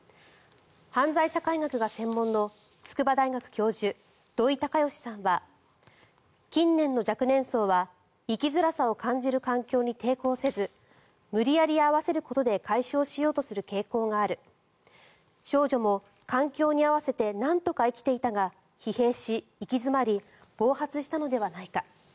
犯罪社会学が専門の筑波大学教授土井隆義さんは近年の若年層は生きづらさを感じる環境に抵抗せず無理やり合わせることで解消しようとする傾向がある少女も環境に合わせてなんとか生きていたが疲弊し、行き詰まり暴発したのではないか。